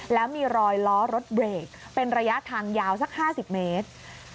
แล้วมีรอยล้อรถเบรกเป็นระยะทางยาวสัก๕๐เมตร